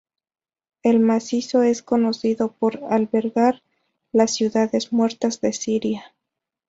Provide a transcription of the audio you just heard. El macizo es conocido por albergar las Ciudades Muertas de Siria.